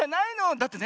だってね